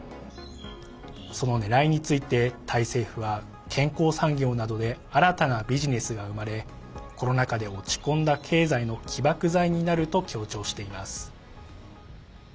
そのねらいについて、タイ政府は健康産業などで新たなビジネスが生まれコロナ禍で落ち込んだ経済の起爆剤になると強調しています。